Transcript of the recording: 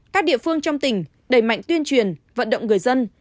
các địa phương trong tỉnh đẩy mạnh tuyên truyền vận động người dân